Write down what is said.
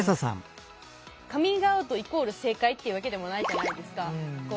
カミングアウトイコール正解っていうわけでもないじゃないですか。